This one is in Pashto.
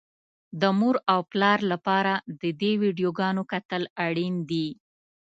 د مور او پلار لپاره د دې ويډيوګانو کتل اړين دي.